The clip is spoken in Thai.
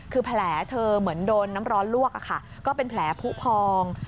คือแผลเธอเหมือนโดนน้ำร้อนลวกก็เป็นแผลผู้พอง